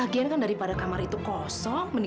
aduh bawa nih baru dapet segini